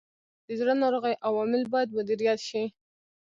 د زړه ناروغیو عوامل باید مدیریت شي.